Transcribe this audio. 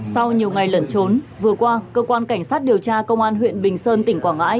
sau nhiều ngày lẩn trốn vừa qua cơ quan cảnh sát điều tra công an huyện bình sơn tỉnh quảng ngãi